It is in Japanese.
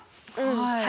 はい。